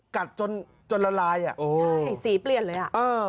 กัดจนละลายใช่สีเปลี่ยนเลย